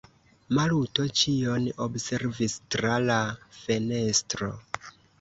Maluto ĉion observis tra la fenestro.